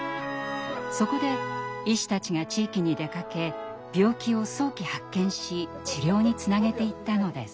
そこで医師たちが地域に出かけ病気を早期発見し治療につなげていったのです。